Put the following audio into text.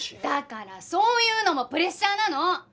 だからそういうのもプレッシャーなの！